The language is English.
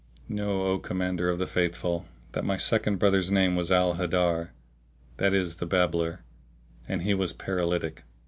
Know, O Commander of the Faithful, that my second brother's name was Al Haddar, that is the Babbler, and he was the paralytic.